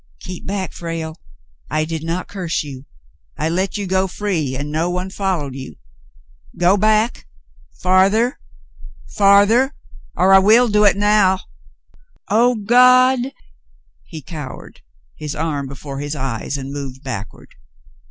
"Keep back, Frale. I did not curse you. I let you go free, and no one followed you. Go l^ack — farther — farther — or I will do it now — Oh, God —" He cowered, his arm before his eyes, and moved backward.